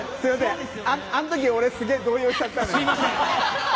あのとき俺、すげえ動揺しちゃった。